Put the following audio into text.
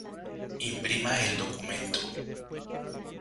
Imprima el documento